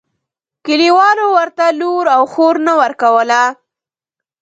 کلیوالو ورته لور او خور نه ورکوله.